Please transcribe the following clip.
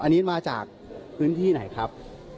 อันนี้มาจากพื้นที่ไหนครับ